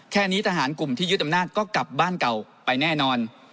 แค่นี้ทหารกลุ่มที่ยึดอำนาจก็กลับบ้านเก่าไปแน่นอน